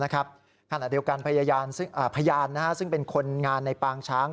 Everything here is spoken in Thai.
ขณะเดียวกันพยานซึ่งเป็นคนงานในปางช้าง